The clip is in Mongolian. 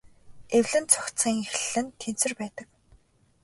Эвлэн зохицохын эхлэл нь тэнцвэр байдаг.